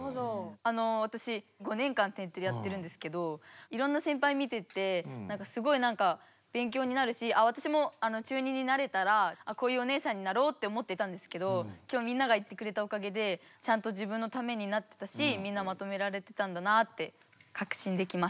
わたし５年間「天てれ」やってるんですけどいろんな先輩見ててすごいなんか勉強になるしわたしも中２になれたらこういうお姉さんになろうって思っていたんですけど今日みんなが言ってくれたおかげでちゃんと自分のためになってたしみんなをまとめられてたんだなってかくしんできました。